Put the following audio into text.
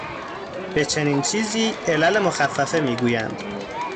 به چنین چیزی، علل مخفّفه میگویند